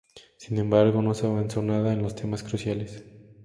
Sin embargo, no se avanzó nada en los temas cruciales.